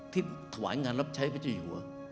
ที่ขวายงานรับใช้พระเจ้าหิวะ